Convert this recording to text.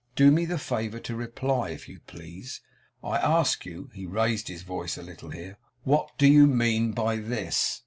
Do me the favour to reply, if you please. I ask you' he raised his voice a little here 'what you mean by this?